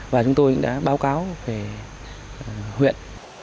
và chúng tôi đã báo cáo về huyện